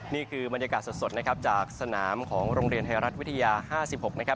นี่คือบรรยากาศสดนะครับจากสนามของโรงเรียนไทยรัฐวิทยา๕๖นะครับ